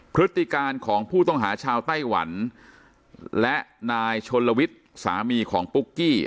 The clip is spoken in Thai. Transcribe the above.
พฤติการของผู้ต้องหาชาวไต้หวันและนายชนลวิทย์สามีของปุ๊กกี้